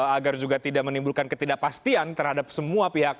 agar juga tidak menimbulkan ketidakpastian terhadap semua pihak